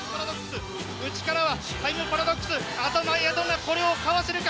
内からはタイムパラドックスアドマイヤドンがこれをかわせるか。